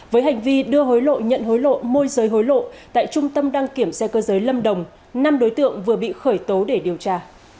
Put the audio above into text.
với hành vi đưa hối lộ nhận hối lộ môi giới hối lộ tại trung tâm đăng kiểm xe cơ giới lâm đồng năm đối tượng vừa bị khởi tố để điều tra